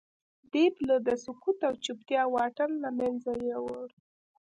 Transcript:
دې پله د سکوت او چوپتیا واټن له منځه یووړ